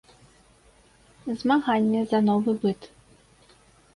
Змаганне за новы быт.